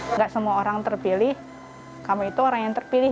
nggak semua orang terpilih kamu itu orang yang terpilih